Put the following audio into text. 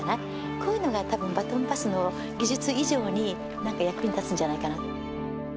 こういうのがたぶん、バトンパスの技術以上に、なんか役に立つんじゃないかな。